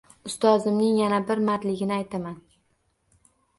Ustozimning yana bir mardligini aytaman.